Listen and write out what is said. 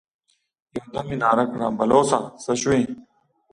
يودم يې ناره کړه: بلوڅه! څه شوې؟